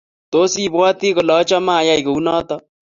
Tos, ibwoti kole achame ayay kunoto?